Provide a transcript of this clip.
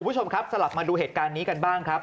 คุณผู้ชมครับสลับมาดูเหตุการณ์นี้กันบ้างครับ